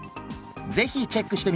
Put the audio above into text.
ぜひチェックしてみて下さいね。